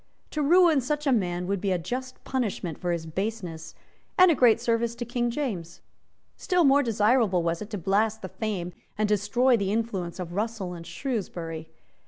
To ruin such a man would be a just punishment for his baseness, and a great service to King James. Still more desirable was it to blast the fame and to destroy the influence of Russell and Shrewsbury.